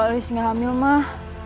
kalau elis gak hamil mah